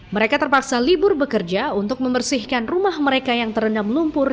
mereka terpaksa libur bekerja untuk membersihkan rumah mereka yang terendam lumpur